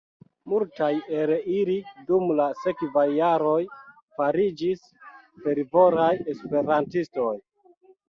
Multaj el ili dum la sekvaj jaroj fariĝis fervoraj esperantistoj.